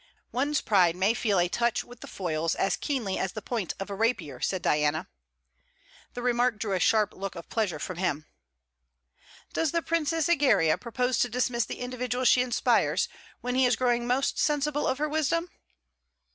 'One's pride may feel a touch with the foils as keenly as the point of a rapier,' said Diana. The remark drew a sharp look of pleasure from him. 'Does the Princess Egeria propose to dismiss the individual she inspires, when he is growing most sensible of her wisdom?'